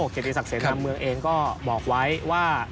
เกียรติศักดิเสนาเมืองเองก็บอกไว้ว่า